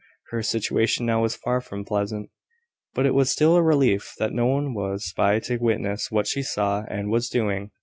Her situation now was far from pleasant; but it was still a relief that no one was by to witness what she saw and was doing.